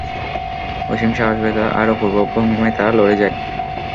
অসীম সাহসিকতা আর অপূর্ব ভঙ্গিমায় তারা লড়ে যায়।